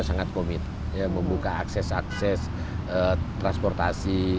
sangat komit membuka akses akses transportasi